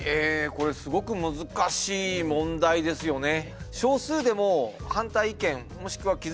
これすごく難しい問題ですよね。